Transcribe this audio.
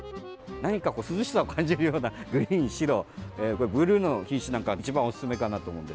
涼しさを感じるようなグリーン、白ブルーの品種なんかが一番おすすめです。